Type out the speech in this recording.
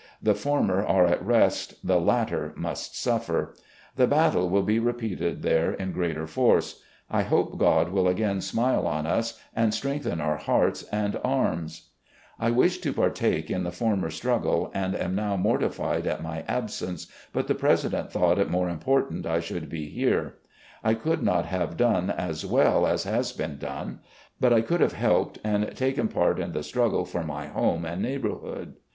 The former are at rest. The latter must suffer. The battle will be repeated there in greater force, I hope God will again smile on us and strengthen otir hearts and arms, I wished to partake in the former struggle, and am mor tified at my absence, but the President thought it more important I should be here, I could not have done as well as has been done, but I could have helped, and taken part in the struggle for my home and neighbourhood.